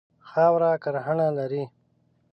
خاوره کرهڼه لري.